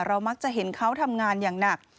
มักจะเห็นเขาทำงานอย่างหนัก